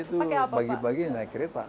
itu pagi pagi naik kereta